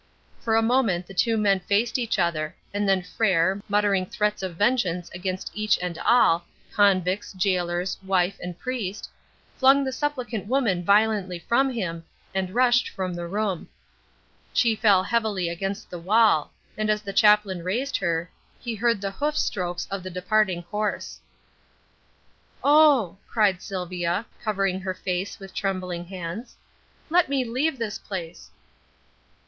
For a moment, the two men faced each other, and then Frere, muttering threats of vengeance against each and all convicts, gaolers, wife, and priest flung the suppliant woman violently from him, and rushed from the room. She fell heavily against the wall, and as the chaplain raised her, he heard the hoof strokes of the departing horse. "Oh," cried Sylvia, covering her face with trembling hands, "let me leave this place!"